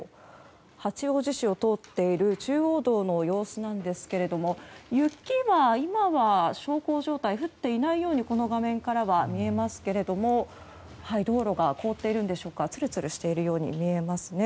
八王子市を通っている中央道の様子なんですが雪は、今は小康状態降っていないようにこの画面からは見えますけれども道路が凍っているんでしょうかつるつるしているように見えますね。